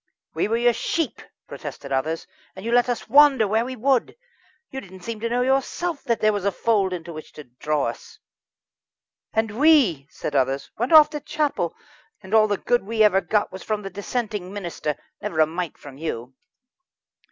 "We were your sheep," protested others, "and you let us wander where we would! You didn't seem to know yourself that there was a fold into which to draw us." "And we," said others, "went off to chapel, and all the good we ever got was from the dissenting minister never a mite from you."